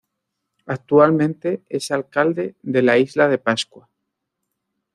Actualmente es alcalde de Isla de Pascua.